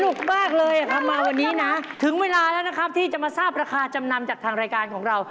มากเลยครับมาวันนี้นะถึงเวลาแล้วนะครับที่จะมาทราบราคาจำนำจากทางรายการของเรา